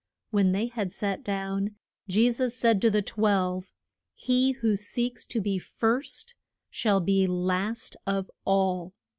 When they had sat down Je sus said to the twelve, He who seeks to be first shall be last of all.